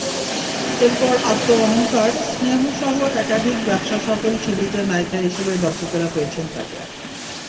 এরপর আত্ম অহংকার, স্নেহসহ একাধিক ব্যবসাসফল ছবিতে নায়িকা হিসেবে দর্শকেরা পেয়েছেন তাঁকে।